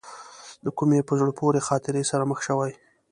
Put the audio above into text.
له کومې په زړه پورې خاطرې سره مخ شوې.